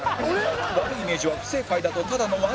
悪いイメージは不正解だとただの悪口に